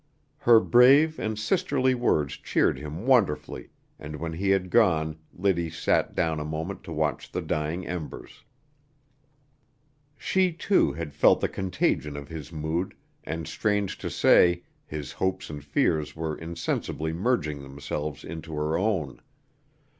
Her brave and sisterly words cheered him wonderfully, and when he had gone Liddy sat down a moment to watch the dying embers. She, too, had felt the contagion of his mood, and strange to say, his hopes and fears were insensibly merging themselves into her own.